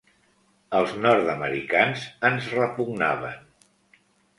Els nord-americans ens repugnaven.